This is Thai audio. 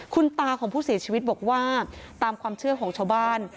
คุณตาของผู้เสียชีวิตบอกว่าตามความเชื่อของชาวบ้าน